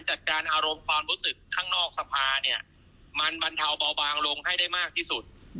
จัดการอารมณ์ความรู้สึกข้างนอกสภาเนี่ยมันบรรเทาเบาบางลงให้ได้มากที่สุด